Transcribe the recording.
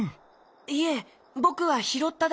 いえぼくはひろっただけです。